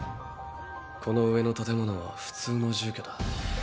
この上の建物は普通の住居だ。